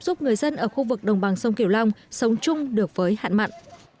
giúp người dân ở khu vực đồng bằng sông kiểu long sống chung được với hạn mặn